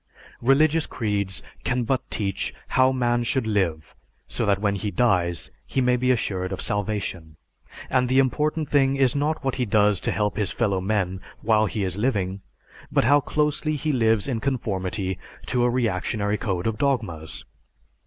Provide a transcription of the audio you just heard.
Religious creeds can but teach how man should live, so that when he dies, he may be assured of salvation; and the important thing is not what he does to help his fellow men while he is living, but how closely he lives in conformity to a reactionary code of dogmas.